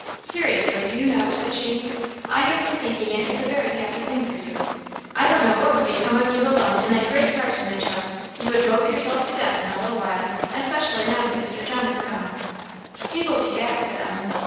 "Seriously, do you know," said she, "I have been thinking it is a very happy thing for you. I don't know what would become of you alone in that great parsonage house. You would mope yourself to death in a little while, especially now that Mr. John is gone." "He will be back," said Ellen.